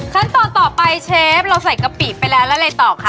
ขั้นตอนต่อไปเชฟเราใส่กะปิไปแล้วแล้วอะไรต่อคะ